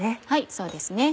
そうですね。